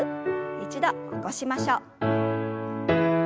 一度起こしましょう。